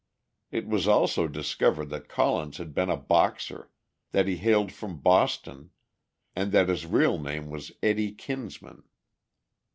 It was also discovered that Collins had been a boxer, that he hailed from Boston, and that his real name was Eddie Kinsman.